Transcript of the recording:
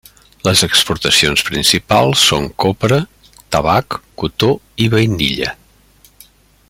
Les exportacions principals són copra, tabac, cotó i vainilla.